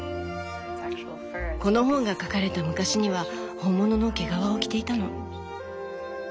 この本が書かれた昔には本物の毛皮を着ていたの。